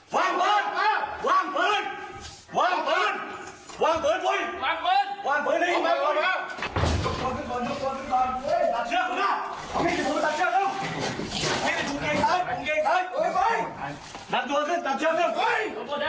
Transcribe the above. พังปืนว่างปืนอร่อย